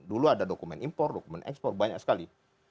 dulu ada dokumen import dokumen export banyak sekali